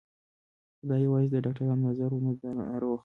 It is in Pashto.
خو دا يوازې د ډاکترانو نظر و نه د ناروغ.